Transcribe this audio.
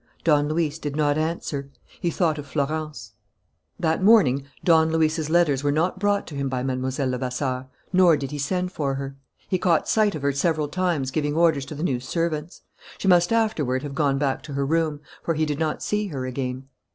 Don Luis did not answer. He thought of Florence. That morning Don Luis's letters were not brought to him by Mlle. Levasseur, nor did he send for her. He caught sight of her several times giving orders to the new servants. She must afterward have gone back to her room, for he did not see her again.